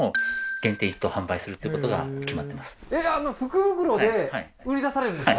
あの福袋で売り出されるんですか？